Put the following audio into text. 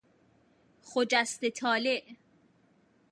خجسته طالع